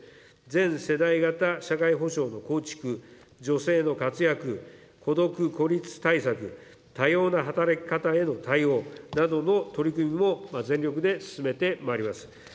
全世代型社会保障の構築、女性の活躍、孤独・孤立対策、多様な働き方への対応などの取り組みも全力で進めてまいります。